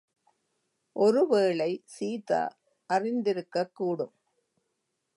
ஒருவேளை, சீதா அறிக் திருக்கக்கூடும்.